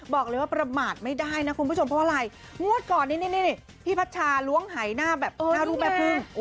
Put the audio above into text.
บอกเลยว่าประมาทไม่ได้นะคุณผู้ชมเพราะว่าอะไรงวดก่อนนี่พี่พัชชาล้วงหายหน้าแบบหน้ารูปแม่พึ่ง